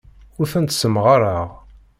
Ur tent-ssemɣareɣ.